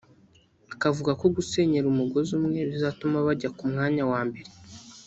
akavuga ko gusenyera umugozi umwe bizatuma kajya ku mwanya wa mbere